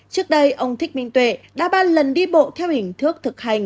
trước đây ông thích minh tuệ đã ba lần đi bộ theo hình thức thực hành